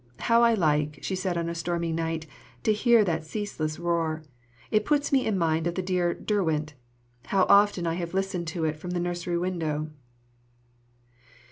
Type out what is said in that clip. "How I like," she said on a stormy night, "to hear that ceaseless roar; it puts me in mind of the dear Derwent; how often I have listened to it from the nursery window."